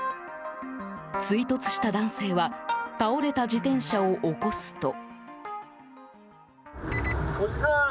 追突した男性は倒れた自転車を起こすと。